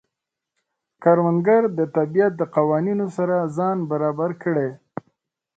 کروندګر د طبیعت د قوانینو سره ځان برابر کړي